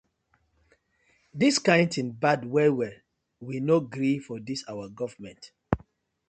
Dis kin tin bad well well, we no gree for dis our gofment.